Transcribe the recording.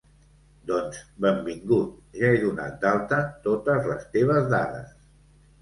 Doncs benvingut, ja he donat d'alta totes les teves dades.